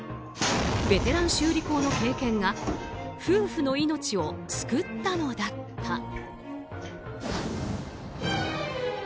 ベテラン修理工の経験が夫婦の命を救ったのだった。